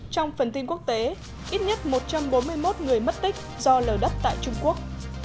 trong phần tin quốc tế ít nhất một trăm bốn mươi một người mất tích do lở đất tại trung quốc